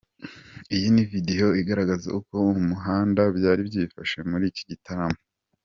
Iyi ni vedeo igaragaza uko mu muhanda byari byifashe muri iki gitondo.